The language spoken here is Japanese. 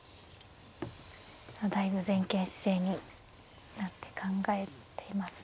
だいぶ前傾姿勢になって考えていますね。